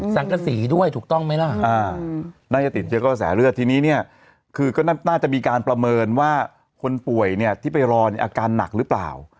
สังกษีด้วยถูกต้องไหมล่ะน่าจะติดเชื้อกระแสเลือดทีนี้เนี่ยคือก็น่าจะมีการประเมินว่าคนป่วยเนี่ยที่ไปรอเนี่ยอาการหนักหรือเปล่า